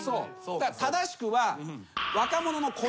だから正しくは。